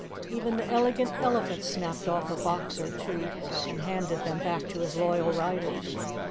Even the Elegant Elephant snapped off a box or two and handed them back to his royal riders.